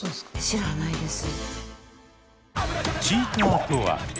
知らないです。